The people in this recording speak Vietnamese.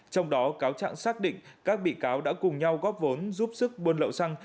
trong đó cáo trạng xác định các bị cáo đã cùng nhau góp vốn giúp sức buôn lậu xăng